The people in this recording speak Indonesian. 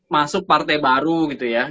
masuk partai baru gitu ya